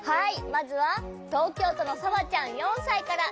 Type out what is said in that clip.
まずはとうきょうとのさわちゃん４さいから。